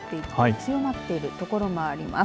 強まっている所もあります。